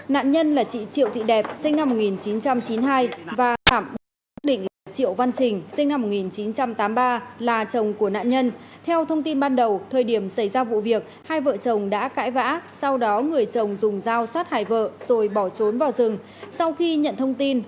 nạn nhân là chị triệu thị đẹp sinh năm một nghìn chín trăm chín mươi hai và phạm bức định là triệu văn trình sinh năm một nghìn chín trăm tám mươi ba